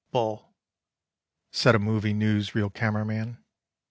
. bull," Said a movie news reel camera man.